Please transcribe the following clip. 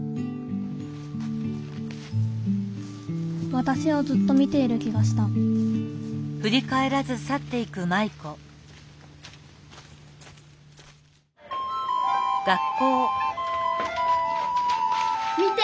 わたしをずっと見ている気がした見て！